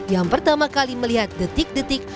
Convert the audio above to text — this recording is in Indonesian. yang pertama kali melihat detik detik